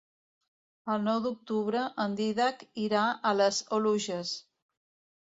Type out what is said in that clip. El nou d'octubre en Dídac irà a les Oluges.